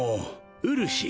うるし